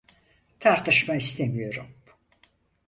Tartışma istemiyorum.